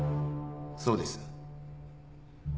そうです。